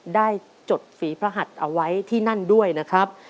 จดฝีพระหัดเอาไว้ที่นั่นด้วยนะครับ